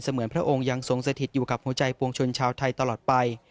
เหมือนพระองค์ยังทรงสถิตอยู่กับหัวใจปวงชนชาวไทยตลอดไป